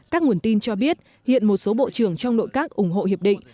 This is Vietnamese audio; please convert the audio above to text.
các nguồn tin cho biết hiện một số bộ trưởng trong nội các ủng hộ hiệp định